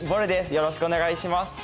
よろしくお願いします。